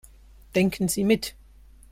Denken Sie mit.